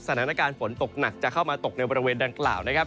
สถานการณ์ฝนตกหนักจะเข้ามาตกในบริเวณดังกล่าวนะครับ